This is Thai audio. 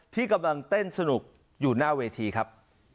ที่กำลังเต้นสนุกอยู่หน้าเวทีครับ